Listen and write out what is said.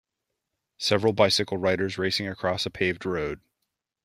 Several bicycle riders racing across a paved road.